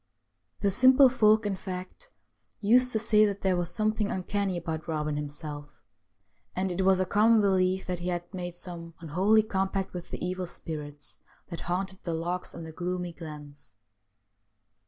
The simple folk, in fact, used to say that there was something uncanny about Eobin himself, and it was a common belief that he had made some unholy com pact with the evil spirits that haunted the lochs and the gloomy glens.